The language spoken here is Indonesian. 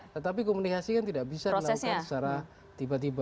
tetapi komunikasi kan tidak bisa dilakukan secara tiba tiba